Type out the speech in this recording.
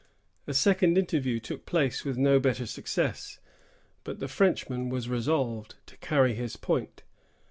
A second interview took place with no better success; but the Frenchman was resolved to carry his point.